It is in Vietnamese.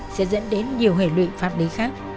sẽ dẫn đến nhiều hệ lụy pháp lý khác